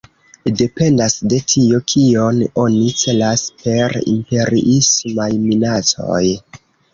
Dependas de tio, kion oni celas per “imperiismaj minacoj”.